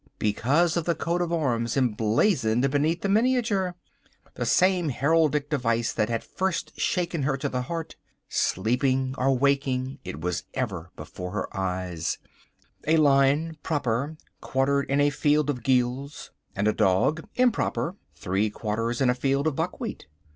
Because of the Coat of Arms emblazoned beneath the miniature. The same heraldic design that had first shaken her to the heart. Sleeping or waking it was ever before her eyes: A lion, proper, quartered in a field of gules, and a dog, improper, three quarters in a field of buckwheat.